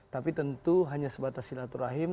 tapi tentu hanya sebatas silaturahim